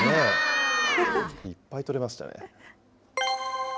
いっぱい取れましたね。